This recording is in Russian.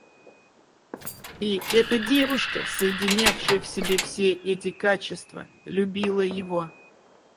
И эта девушка, соединявшая в себе все эти качества, любила его.